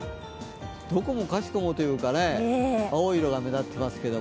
どこもかしこもというか青い色が目立っていますけど。